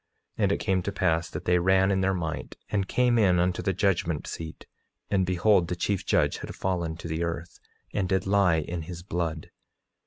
9:3 And it came to pass that they ran in their might, and came in unto the judgment seat; and behold, the chief judge had fallen to the earth, and did lie in his blood.